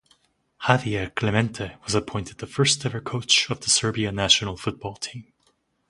Javier Clemente was appointed the first ever coach of the Serbia national football team.